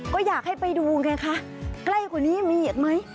ก็อยากให้ไปดูไงคะใกล้กว่านี้มีอีกไหม